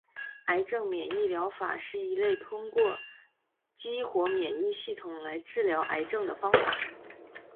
癌症免疫疗法是一类通过激活免疫系统来治疗癌症的方法。